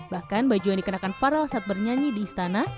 bahkan baju yang dikenakan farel saat bernyanyi di istana